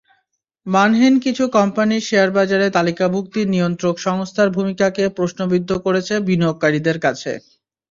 মানহীন কিছু কোম্পানির শেয়ারবাজারে তালিকাভুক্তি নিয়ন্ত্রক সংস্থার ভূমিকাকে প্রশ্নবিদ্ধ করেছে বিনিয়োগকারীদের কাছে।